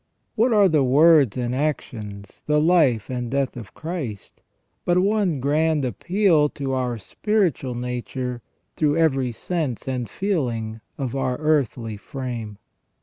What are the words and actions, the life and death of Christ, but one grand appeal to our spiritual nature through every sense and feeling of our earthly frame